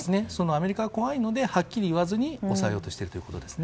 アメリカが怖いのではっきり言わずに抑えようとしているということです。